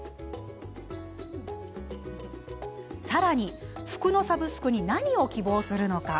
さらに、服のサブスクに何を希望するのか。